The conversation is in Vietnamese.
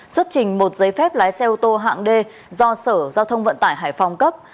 xuất trình một giấy phép lái xe ô tô hạng d do sở giao thông vận tải hải phòng cấp